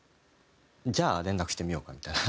「じゃあ連絡してみようか」みたいな話になって。